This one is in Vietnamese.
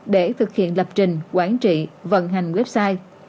để thực hiện lập trình quản trị vận hành website